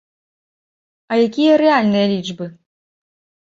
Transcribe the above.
А якія рэальныя лічбы?